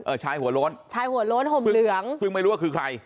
ชายหัวโล้นชายหัวโล้นห่มเหลืองซึ่งไม่รู้ว่าคือใคร